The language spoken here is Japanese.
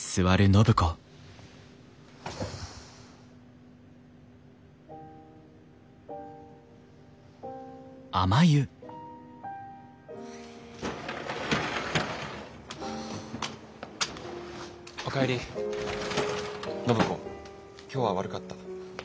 暢子今日は悪かった。